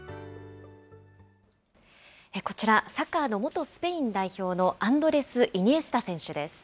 こちら、サッカーの元スペイン代表のアンドレス・イニエスタ選手です。